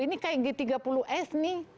ini kayak g tiga puluh s nih